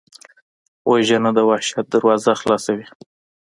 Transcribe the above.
وژنه د وحشت دروازه خلاصوي